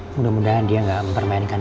mudah mudahan dia nggak mempermainkan